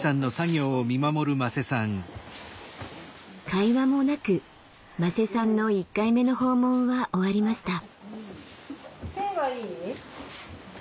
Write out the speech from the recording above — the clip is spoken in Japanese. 会話もなく馬瀬さんの１回目の訪問は終わりました。